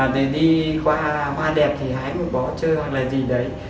để đi qua hoa đẹp thì hái một bó chơi hoặc là gì đấy